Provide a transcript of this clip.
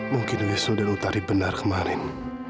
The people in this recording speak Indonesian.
mungkin sudah nutari benar kemarin